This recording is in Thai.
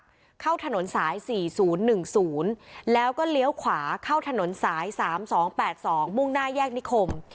เข้าถนนสาย๔๐๑๐แล้วก็เลี้ยวขวาเข้าถนนสาย๓๒๘๒มุ่งหน้าแยกนิคม